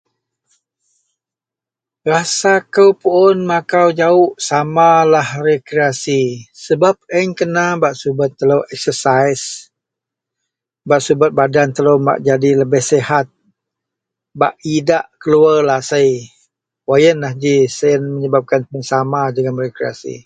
Rasa kou puon makau jawok sama lah rekreasi sebab ayen kena bak subet telo eksasaih bak subet badan telo bak jadi lebeh sehat bak idak keluwar lasei wak iyenlah ji siyen sama jegem eksasaih.